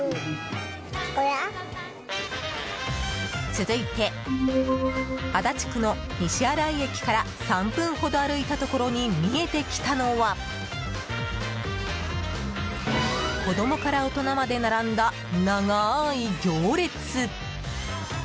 続いて足立区の西新井駅から３分ほど歩いたところに見えてきたのは子供から大人まで並んだ長ーい行列。